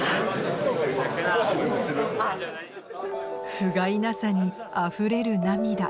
ふがいなさにあふれる涙